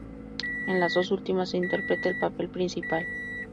En las dos últimas, interpreta el papel principal.